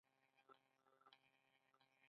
د ډالر نرخ په بازار اغیز لري